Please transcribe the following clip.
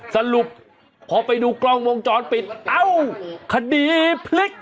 สรุปพอไปดูกล้องวงจรปิดเอ้าคดีพลิก